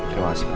terima kasih pak